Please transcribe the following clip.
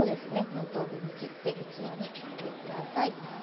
４等分に切って器に入れて下さい。